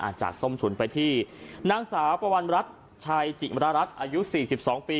จากส้มฉุนไปที่นางสาวปวัณรัฐชัยจิมรรัฐอายุ๔๒ปี